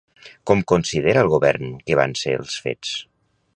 Com considera el govern que van ser els fets?